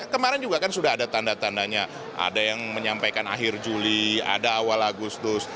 kemarin juga kan sudah ada tanda tandanya ada yang menyampaikan akhir juli ada awal agustus